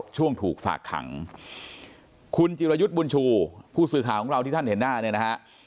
ช่วงถูกฝากขังคุณจิรยุทธ์บุญชูผู้สื่อข่าวของเราที่ท่านเห็นหน้าเนี่ยนะฮะ